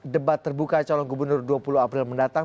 debat terbuka calon gubernur dua puluh april mendatang